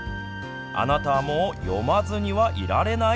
あなたはもう読まずにはいられない。